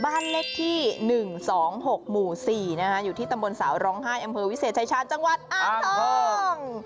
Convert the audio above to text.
บ้านเลขที่๑๒๖หมู่๔อยู่ที่ตำบลสาวร้องไห้อำเภอวิเศษชายชาญจังหวัดอ่างทอง